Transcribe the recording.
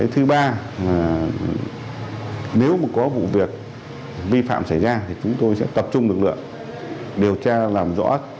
thứ ba nếu có vụ việc vi phạm xảy ra thì chúng tôi sẽ tập trung lực lượng điều tra làm rõ